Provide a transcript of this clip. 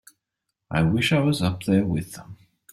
I wish I was up there with them.